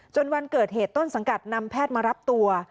วันเกิดเหตุต้นสังกัดนำแพทย์มารับตัว